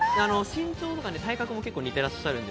身長とか体格も結構似てらっしゃる。